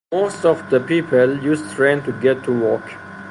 Most of the people use train to get to work.